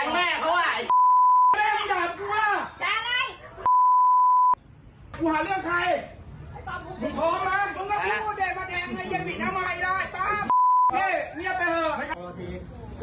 มีชาวบ้านไปจี้คนแก่ใจกลางกรุงเทศย่านดุสิต